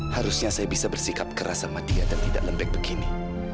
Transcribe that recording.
harusnya saya bisa bersikap keras sama dia dan tidak lembek begini